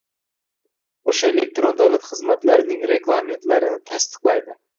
o‘sha elektron davlat xizmatlarining reglamentlarini tasdiqlaydi;